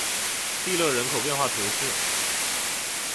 蒂勒人口变化图示